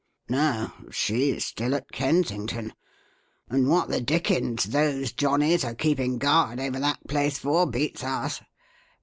"No. She's still at Kensington. And what the dickens those johnnies are keeping guard over that place for beats us.